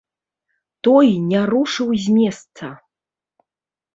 Той не рушыў з месца.